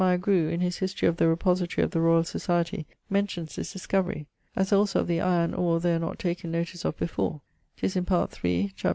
Grew in his History of the Repository of the Royal Society mentions this discovery, as also of the iron oare there not taken notice of before 'tis in part iii, cap.